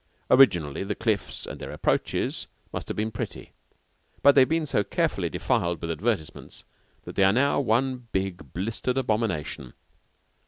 Originally the cliffs and their approaches must have been pretty, but they have been so carefully defiled with advertisements that they are now one big blistered abomination.